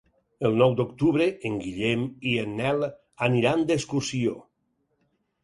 El nou d'octubre en Guillem i en Nel aniran d'excursió.